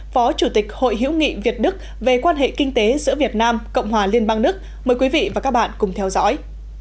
phó chủ tịch hội hiểu nghị việt đức về quan hệ kinh tế giữa việt nam cộng hòa liên bang đức mời quý vị và các bạn cùng theo dõi